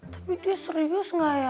tapi dia serius nggak ya